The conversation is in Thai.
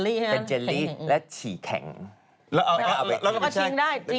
แล้วก็ชิงได้แล้วก็ชิงได้